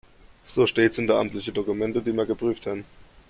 So steht es in den amtlichen Dokumenten, die wir geprüft haben.